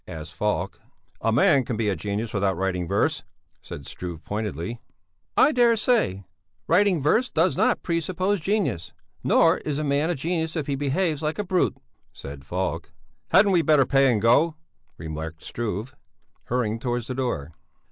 asked Falk. "A man can be a genius without writing verse," said Struve pointedly. "I dare say; writing verse does not pre suppose genius, nor is a man a genius if he behaves like a brute," said Falk. "Hadn't we better pay and go?" remarked Struve, hurrying towards the door.